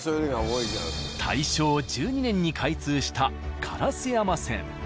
大正１２年に開通した烏山線。